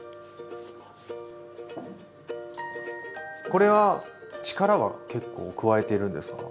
これは力は結構加えてるんですか？